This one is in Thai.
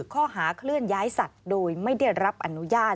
ข้อหาเคลื่อนย้ายสัตว์โดยไม่ได้รับอนุญาต